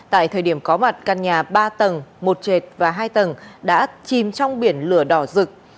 tại thời điểm có mặt căn nhà ba tầng một trệt và hai tầng đã chìm trong biển lửa đỏ rực